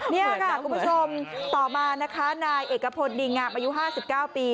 นี่ค่ะคุณผู้ชมต่อมานะคะนายเอกพลดีงามอายุ๕๙ปี